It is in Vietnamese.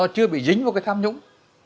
chưa bị dính vào cái tham nhũng